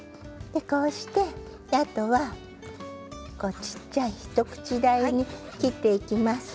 こうしてあとは小っちゃい一口大に切っていきます。